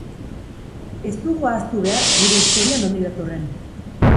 Ez dugu ahaztu behar gure historia nondik datorren.